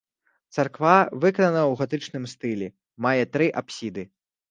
Царква выканана ў гатычным стылі, мае тры апсіды.